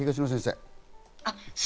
東野先生。